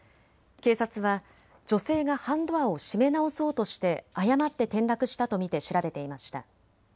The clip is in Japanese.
警察は女性が半ドアを閉め直そうとして過って転落したと見て調べていました。